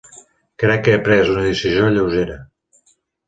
Crec que he pres una decisió lleugera.